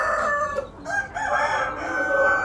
په باطن کي وي تور مار په زړه ناولی `